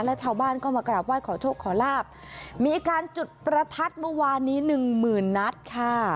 และชาวบ้านก็มากราบไหว้ขอโชคขอลาบมีการจุดประทัดเมื่อวานนี้หนึ่งหมื่นนัดค่ะ